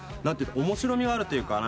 面白みがあるというか。